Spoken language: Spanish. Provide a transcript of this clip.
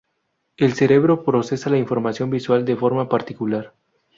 El cerebro procesa la información visual de forma particular.